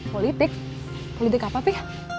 politik politik apa tih